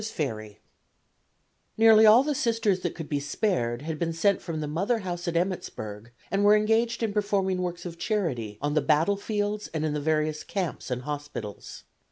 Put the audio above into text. ] Nearly all the Sisters that could be spared had been sent from the mother house at Emmittsburg, and were engaged in performing works of charity on the battlefields and in the various camps and hospitals.